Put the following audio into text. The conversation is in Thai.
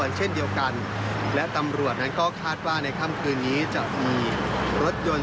เช่นเดียวกันและตำรวจนั้นก็คาดว่าในค่ำคืนนี้จะมีรถยนต์